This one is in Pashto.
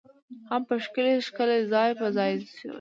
هم په ښه شکل ځاى په ځاى شوې .